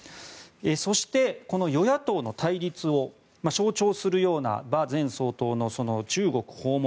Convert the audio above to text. そして、この与野党の対立を象徴するような馬前総統の中国訪問。